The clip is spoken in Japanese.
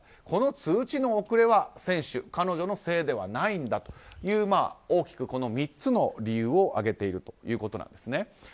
この通知の遅れは選手のせいではないんだという大きく、この３つの理由を挙げているということなんです。